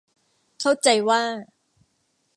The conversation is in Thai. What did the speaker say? เข้าใจว่า